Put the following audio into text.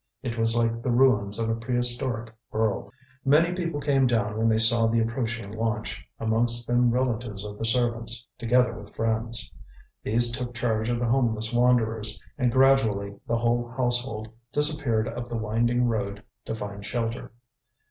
It was like the ruins of a pre historic world. Many people came down when they saw the approaching launch, amongst them relatives of the servants, together with friends. These took charge of the homeless wanderers, and gradually the whole household disappeared up the winding road to find shelter.